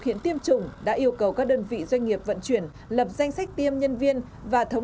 hiện tiêm chủng đã yêu cầu các đơn vị doanh nghiệp vận chuyển lập danh sách tiêm nhân viên và thống